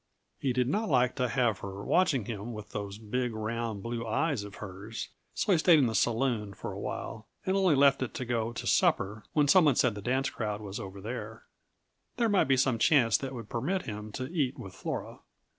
He did not like to have her watching him with those big, round, blue eyes of hers, so he stayed in the saloon for a while and only left it to go to supper when some one said that the dance crowd was over there. There might be some chance that would permit him to eat with Flora.